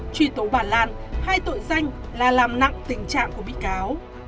truy tố bản lan hay tội danh là làm nặng tình trạng của bị cáo